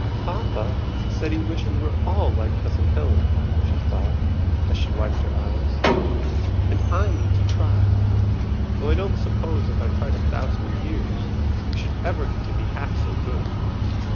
"Papa said he wished we were all like Cousin Helen," she thought, as she wiped her eyes, "and I mean to try, though I don't suppose if I tried a thousand years I should ever get to be half so good.